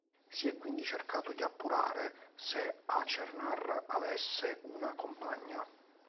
Si è quindi cercato di appurare se Achernar avesse una compagna.